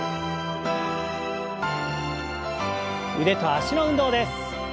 腕と脚の運動です。